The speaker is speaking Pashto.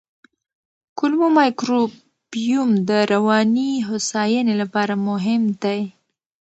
کولمو مایکروبیوم د رواني هوساینې لپاره مهم دی.